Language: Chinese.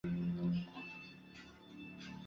他也曾经是一位棒球选手。